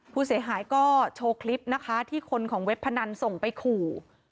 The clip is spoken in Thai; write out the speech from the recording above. ผู้เสียหายก็โชว์คลิปนะคะที่คนของเว็บพนันส่งไปขู่